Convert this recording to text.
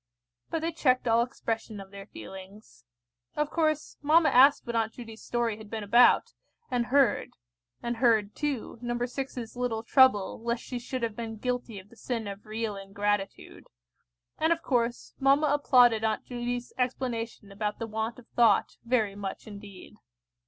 But they checked all expression of their feelings. Of course, mamma asked what Aunt Judy's story had been about, and heard; and heard, too, No. 6's little trouble lest she should have been guilty of the sin of real ingratitude; and, of course, mamma applauded Aunt Judy's explanation about the want of thought, very much indeed.